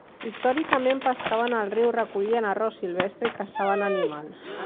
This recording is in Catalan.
Històricament pescaven al riu, recollien arròs silvestre, i caçaven animals.